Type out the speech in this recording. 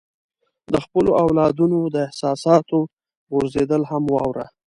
د خپلو اولادونو د احساساتو غورځېدل هم واوره.